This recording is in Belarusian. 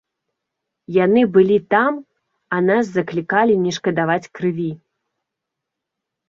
Яны былі там, а нас заклікалі не шкадаваць крыві.